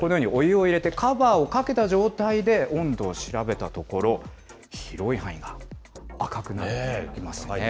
このようにお湯を入れて、カバーをかけた状態で温度を調べたところ、広い範囲が赤くなっていますね。